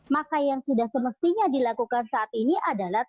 maka yang sudah semestinya dilakukan saat ini adalah